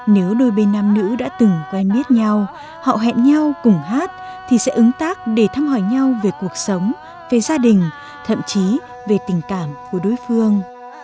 nếu đôi bên nam nữ đã từng quen biết nhau họ hẹn nhau cùng hát thì sẽ ứng tác để thăm hỏi nhau về cuộc sống về gia đình thậm chí về tình cảm của đối phương